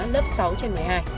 lớp sáu trên một mươi hai